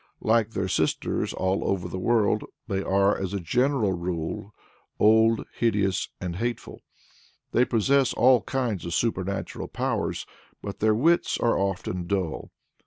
Like their sisters all over the world, they are, as a general rule, old, hideous, and hateful. They possess all kinds of supernatural powers, but their wits are often dull.